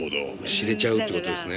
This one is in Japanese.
知れちゃうってことですね。